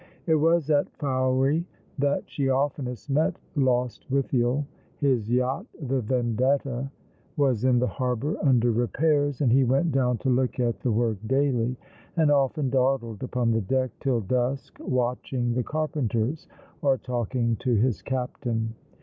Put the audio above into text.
It was at Fowey that she oftenest met Lostwithiel. His yacht, the Vendetta^ was in the harbour under repairs, and he went down to look at the work daily, and often dawdled upon the deck till dusk, watching the carpenters, or talking to his captain.